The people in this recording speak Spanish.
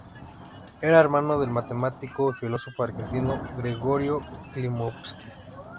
Era hermano del matemático y filósofo argentino Gregorio Klimovsky.